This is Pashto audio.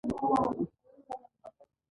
قرنیه د صلبیې د نښتې له ځای لږ شاته سورۍ کړئ.